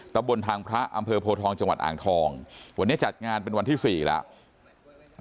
บนทางพระอำเภอโพทองจังหวัดอ่างทองวันนี้จัดงานเป็นวันที่๔แล้ว